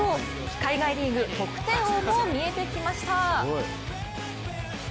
海外リーグ得点王も見えてきました。